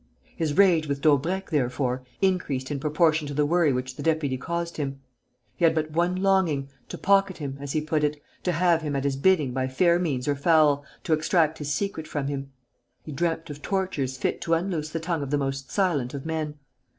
His rage with Daubrecq, therefore, increased in proportion to the worry which the deputy caused him. He had but one longing, to pocket him, as he put it, to have him at his bidding by fair means or foul, to extract his secret from him. He dreamt of tortures fit to unloose the tongue of the most silent of men.